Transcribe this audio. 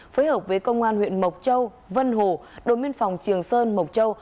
phối hợp với công an huyện mộc châu vân hồ đối miên phòng trường sơn mộc châu